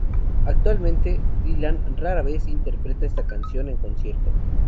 Actualmente, Dylan rara vez interpreta esta canción en concierto.